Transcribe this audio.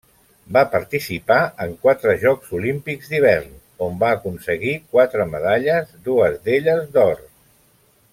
Va participar en quatre Jocs Olímpics d'hivern on va aconseguir quatre medalles, dues d'elles d'or.